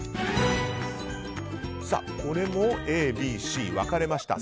これもＡ、Ｂ、Ｃと分かれました。